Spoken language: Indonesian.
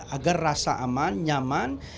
agar rasa aman nyaman